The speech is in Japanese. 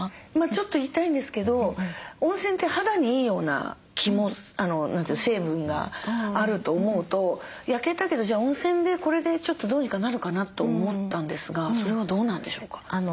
ちょっと痛いんですけど温泉って肌にいいような気も成分があると思うと焼けたけどじゃあ温泉でこれでちょっとどうにかなるかなと思ったんですがそれはどうなんでしょうか？